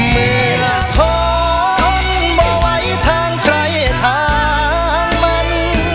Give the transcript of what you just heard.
เมื่อท้อนบ่ไว้ทางใครทางมัน